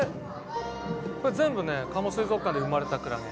これ全部ね加茂水族館で生まれたクラゲ。